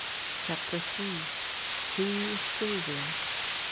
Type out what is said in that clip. CHAPTER III "WHO IS SYLVIA?"